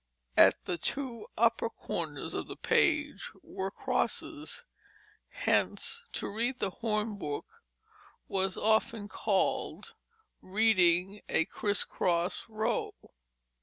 At the two upper corners of the page were crosses, hence to read the hornbook was often called "reading a criss cross row."